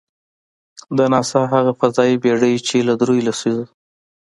د ناسا هغه فضايي بېړۍ، چې له درېیو لسیزو .